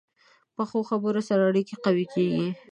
پخو خبرو سره اړیکې قوي کېږي